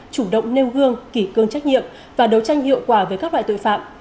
chủ động nêu gương kỷ cương trách nhiệm và đấu tranh hiệu quả với các loại tội phạm